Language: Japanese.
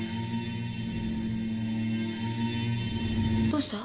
どうした？